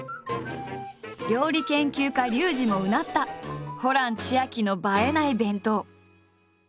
料理研究家リュウジもうなったホラン千秋の「映えない弁当」。